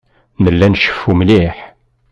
Nella nceffu mliḥ.